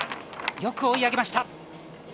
よく追い上げました。